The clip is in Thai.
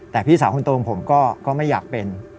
แต่พี่สาวคุณตูมผมก็ไม่อยากเป็น